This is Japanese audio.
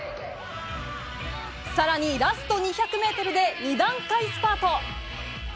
さらにラスト２００メートルで、２段階スパート。